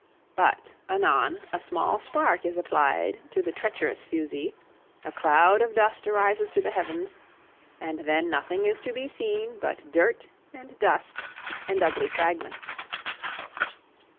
But, anon, a small spark is applied to the treacherous fusee a cloud of dust arises to the heavens and then nothing is to be seen but dirt and dust and ugly fragments.